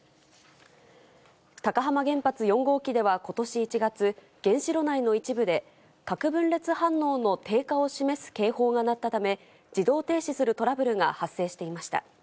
高浜原発４号機ではことし１月、原子炉内の一部で、核分裂反応の低下を示す警報が鳴ったため、自動停止するトラブルが発生していました。